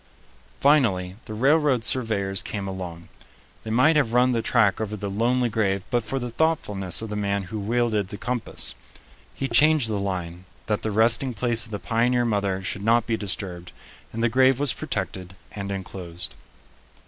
Finally the railroad surveyors came along. They might have run the track over the lonely grave but for the thoughtfulness of the man who wielded the compass. He changed the line, that the resting place of the pioneer mother should not be disturbed, and the grave was protected and enclosed.